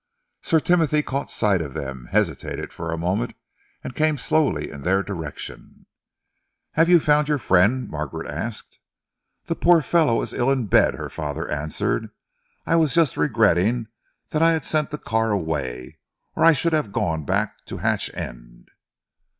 Sir Timothy caught sight of them, hesitated for a moment and came slowly in their direction. "Have you found your friend?" Margaret asked. "The poor fellow is ill in bed," her father answered. "I was just regretting that I had sent the car away, or I should have gone back to Hatch End."